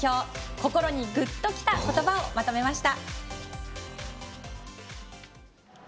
心にグッときた言葉をまとめました。